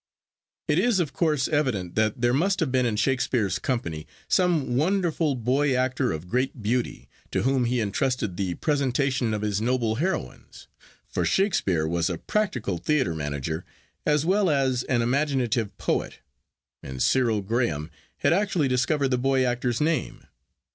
'It is of course evident that there must have been in Shakespeare's company some wonderful boy actor of great beauty, to whom he intrusted the presentation of his noble heroines; for Shakespeare was a practical theatrical manager as well as an imaginative poet, and Cyril Graham had actually discovered the boy actor's name.